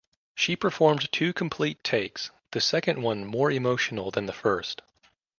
She performed two complete takes, the second one more emotional than the first.